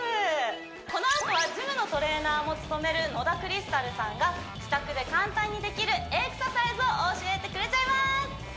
このあとはジムのトレーナーも務める野田クリスタルさんが自宅で簡単にできるエクササイズを教えてくれちゃいます